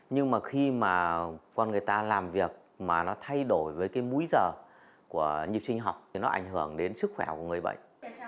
nhưng mà khi mà con người ta làm việc mà nó thay đổi với cái búi giờ của nhịp sinh học thì nó ảnh hưởng đến sức khỏe của người bệnh